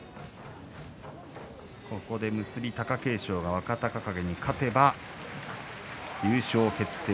結びの貴景勝が若隆景に勝てば優勝決定